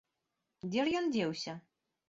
Дзе ж ён дзеўся?